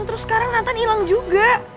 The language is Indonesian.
terus sekarang nathan hilang juga